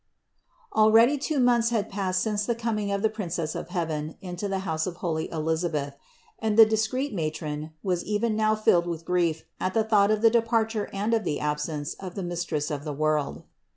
261. Already two months had passed since the coming of the Princess of heaven into the house of holy Elisa beth ; and the discreet matron was even now filled with grief at the thought of the departure and of the absence of the Mistress of the world.